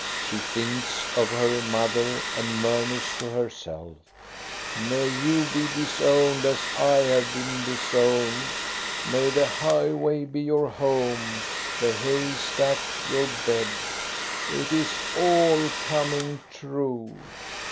She thinks of her mother and murmurs to herself :—"' May you be disowned, as I have been disowned; may the highway be your home, the hay*stack your bed !' It is all coming true.